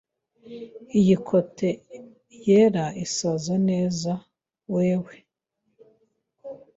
Iyi kote yera izasa neza kuri wewe